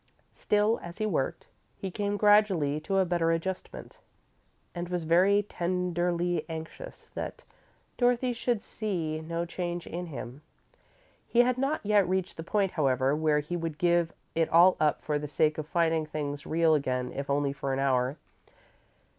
Still, as he worked, he came gradually to a better adjustment, and was very tenderly anxious that Dorothy should see no change in him. He had not yet reached the point, however, where he would give it all up for the sake of finding things real again, if only for an hour.